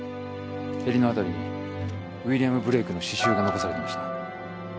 へりの辺りにウィリアム・ブレイクの詩集が残されていました。